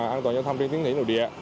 an toàn giao thông trên tiếng thủy nội địa